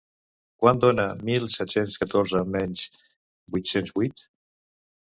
Quant dona mil set-cents catorze menys vuit-cents vuit?